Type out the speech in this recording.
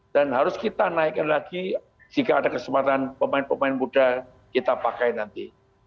dan harus kita naikkan lagi jika ada kesempatan pemain pemain muda kita pakai nanti